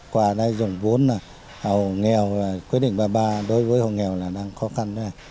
qua đây dùng vốn là hộ nghèo và quyết định ba mươi ba đối với hộ nghèo là đang khó khăn